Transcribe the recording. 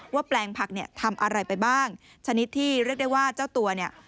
แปลงผักเนี่ยทำอะไรไปบ้างชนิดที่เรียกได้ว่าเจ้าตัวเนี่ย